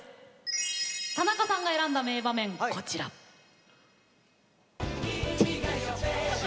田中さんが選んだ名場面はこちらです。